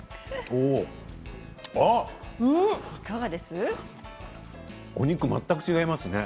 お肉、全く違いますね。